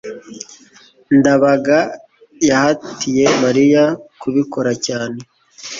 ndabaga yahatiye mariya kubikora cyane